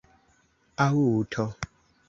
aŭto